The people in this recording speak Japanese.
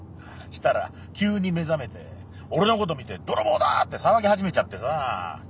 したら急に目覚めて俺のこと見て「泥棒だ！」って騒ぎ始めちゃってさぁ。